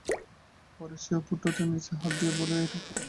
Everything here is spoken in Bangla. পরে সে অপুর ঠোঁটের নিচে হাত দিয়া বলিল, এটা কী?